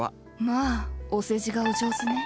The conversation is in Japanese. まあお世辞がお上手ね。